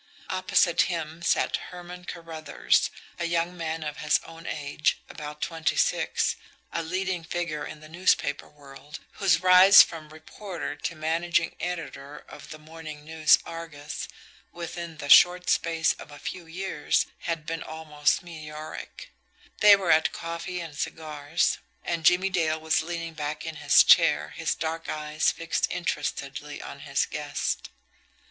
Opposite him sat Herman Carruthers, a young man of his own age, about twenty six, a leading figure in the newspaper world, whose rise from reporter to managing editor of the morning NEWS ARGUS within the short space of a few years had been almost meteoric. They were at coffee and cigars, and Jimmie Dale was leaning back in his chair, his dark eyes fixed interestedly on his guest.